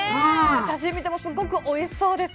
写真を見てもすごくおいしそうです。